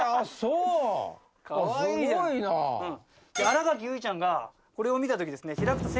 新垣結衣ちゃんがこれを見たときですね。